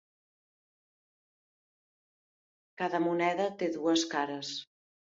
Cada moneda té dues cares.